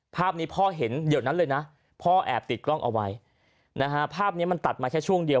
ภาพนี้พ่อเห็นเดี๋ยวนั้นเลยนะพ่อแอบติดกล้องเอาไว้นะฮะภาพนี้มันตัดมาแค่ช่วงเดียว